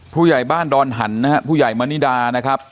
ผู้ใหญ่บ้านดอนหันนะฮะผู้ใหญ่มณิดานะครับ